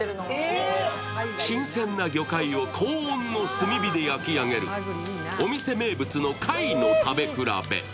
新鮮な魚介を高温の炭火で焼き上げるお店名物の貝の食べ比べ。